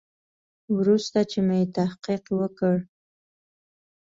وروسته چې مې تحقیق وکړ.